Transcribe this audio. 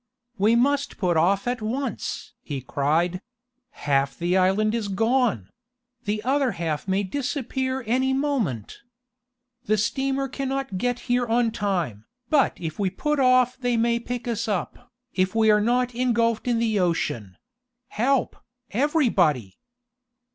"We must put off at once!" he cried. "Half the island is gone! The other half may disappear any moment! The steamer can not get here on time, but if we put off they may pick us up, if we are not engulfed in the ocean. Help, everybody!"